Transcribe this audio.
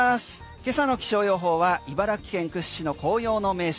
今朝の気ｓｈｏｗ予報は茨城県屈指の紅葉の名所